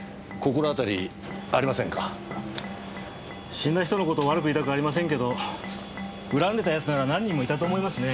死んだ人の事を悪く言いたくありませんけど恨んでた奴なら何人もいたと思いますね。